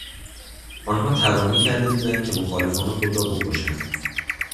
آنها تبانی کرده بودند که مخالفان خود را بکشند.